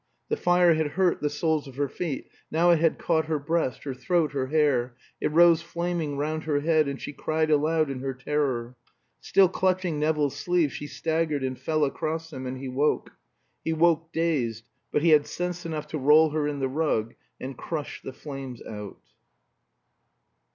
The fire had hurt the soles of her feet; now it had caught her breast, her throat, her hair; it rose flaming round her head, and she cried aloud in her terror. Still clutching Nevill's sleeve, she staggered and fell across him, and he woke. He woke dazed; but he had sense enough to roll her in the rug and crush the flames out.